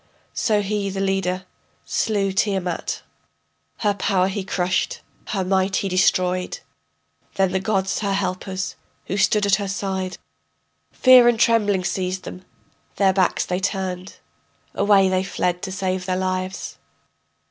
So he, the leader, slew Tiamat, Her power he crushed, her might he destroyed. Then the gods, her helpers, who stood at her side, Fear and trembling seized them, their backs they turned, Away they fled to save their lives.